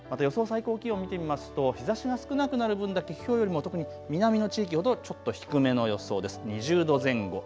また予想最高気温を見てみますと日ざしが少なくなる分だけきょうよりも特に南の地域ほどちょっと低めの予想です。